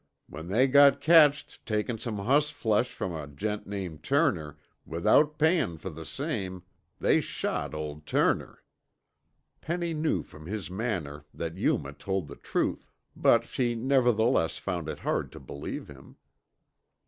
When they got catched takin' some hossflesh from a gent named Turner, without payin' fer the same, they shot old Turner." Penny knew from his manner that Yuma told the truth, but she nevertheless found it hard to believe him.